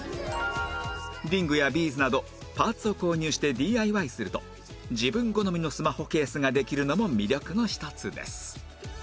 リングやビーズなどパーツを購入して ＤＩＹ すると自分好みのスマホケースができるのも魅力の１つです